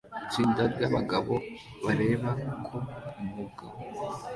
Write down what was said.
Itsinda ryabagabo bareba uko umugabo